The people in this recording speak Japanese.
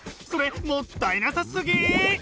それもったいなさすぎ！